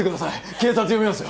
警察呼びますよ！